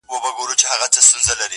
وای دی کم عمر کي پوه په راز و نياز دی,